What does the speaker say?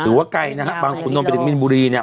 ว่าไกลนะฮะบางขุนนทไปถึงมินบุรีเนี่ย